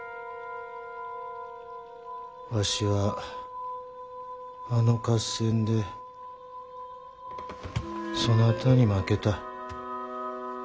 わしはあの合戦でそなたに負けた。